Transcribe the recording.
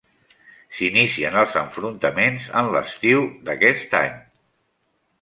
S'inicien els enfrontaments en l'estiu d'aquest any.